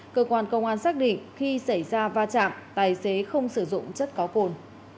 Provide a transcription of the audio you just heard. cơ quan công an xác định khi xảy ra va chạm tài xế không sử dụng chất có cồn